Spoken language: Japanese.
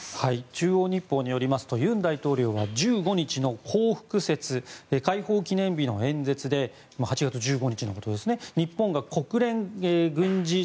中央日報によりますと尹大統領は１５日の光復節解放記念日の演説で８月１５日のことですね。